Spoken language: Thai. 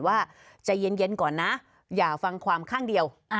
ว่าใจเย็นก่อนนะอย่าฟังความข้างเดียว